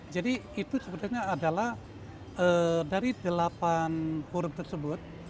jadi itu sebenarnya adalah dari delapan uruf tersebut